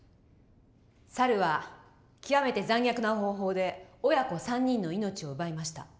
猿は極めて残虐な方法で親子３人の命を奪いました。